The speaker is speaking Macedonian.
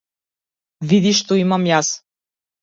Види што имам јас.